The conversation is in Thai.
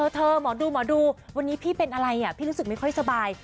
หมอดูหมอดูวันนี้พี่เป็นอะไรพี่รู้สึกไม่ค่อยสบาย